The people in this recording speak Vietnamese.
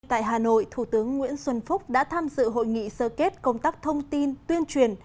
tại hà nội thủ tướng nguyễn xuân phúc đã tham dự hội nghị sơ kết công tác thông tin tuyên truyền